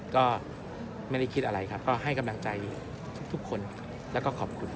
ก็ไม่ได้คิดอะไรครับก็ให้กำลังใจทุกคนแล้วก็ขอบคุณ